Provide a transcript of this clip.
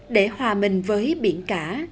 để hòa mình với biển cả